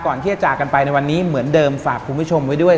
ก่อนที่จะจากกันไปในวันนี้ฝากคุณผู้ชมไว้ด้วย